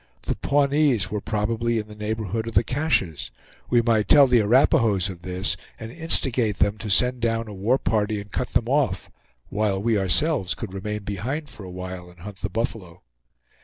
The Pawnees were probably in the neighborhood of the Caches; we might tell the Arapahoes of this and instigate them to send down a war party and cut them off, while we ourselves could remain behind for a while and hunt the buffalo.